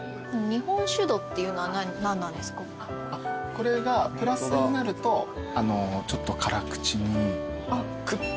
これがプラスになるとちょっと辛口にクッと。